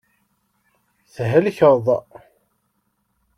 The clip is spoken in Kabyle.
Thelkeḍ.